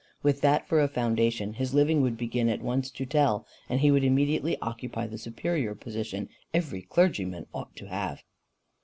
With that for a foundation, his living would begin at once to tell, and he would immediately occupy the superior position every clergyman ought to have."